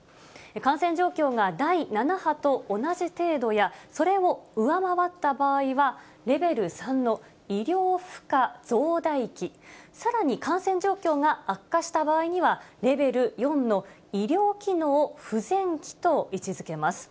感染状況が第７波と同じ程度や、それを上回った場合は、レベル３の医療負荷増大期、さらに感染状況が悪化した場合には、レベル４の医療機能不全期と位置づけます。